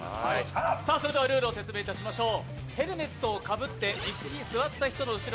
それではルールを説明いたしましょう。